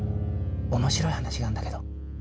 面白い話があんだけど